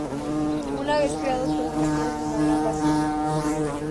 Una vez creados, fueron metidos en una gran vasija.